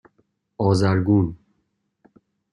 آذرگون